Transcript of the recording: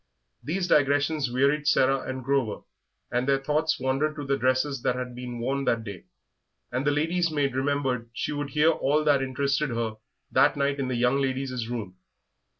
These digressions wearied Sarah and Grover, and their thoughts wandered to the dresses that had been worn that day, and the lady's maid remembered she would hear all that interested her that night in the young ladies' rooms.